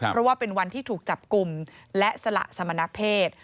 เพราะว่าเป็นวันที่ถูกจับกลุ่มและสละสมณเพศ